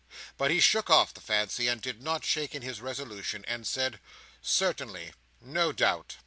But he shook off the fancy, and did not shake in his resolution, and said, "Certainly, no doubt."